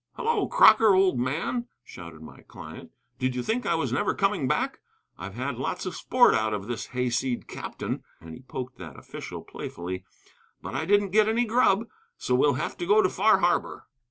"Hello, Crocker, old man," shouted my client, "did you think I was never coming back? I've had lots of sport out of this hayseed captain" (and he poked that official playfully), "but I didn't get any grub. So we'll have to go to Far Harbor."